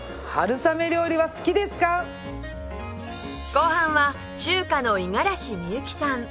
後半は中華の五十嵐美幸さん